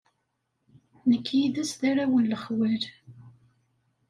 Nekk yid-s d arraw n lexwal.